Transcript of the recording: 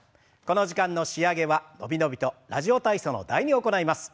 この時間の仕上げは伸び伸びと「ラジオ体操」の「第２」を行います。